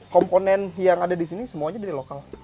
komponen yang ada disini semuanya dari lokal